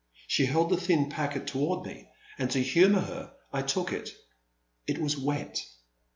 She held the thin packet toward me, and to humour her I took it. It was wet.